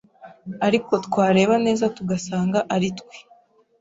ariko twareba neza tugasanga aritwe